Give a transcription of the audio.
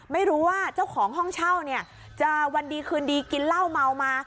ไม่รู้ว่าเจ้าของห้องเช่าเนี่ยจะวันดีคืนดีกินเหล้าเมามา